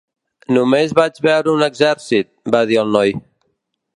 "Només vaig veure un exèrcit", va dir el noi.